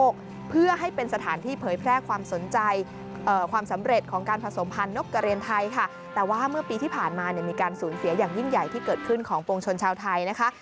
ขึ้นของปวงชนชาวไทยนะคะ